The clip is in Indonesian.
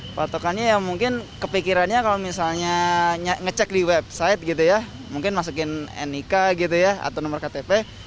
patokannya ya mungkin kepikirannya kalau misalnya ngecek di website gitu ya mungkin masukin nik gitu ya atau nomor ktp